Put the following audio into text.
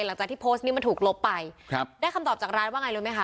หลังจากที่โพสต์นี้มันถูกลบไปครับได้คำตอบจากร้านว่าไงรู้ไหมค